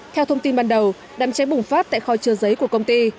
theo thông tin ban đầu đám cháy bùng phát tại kho chứa giấy của công ty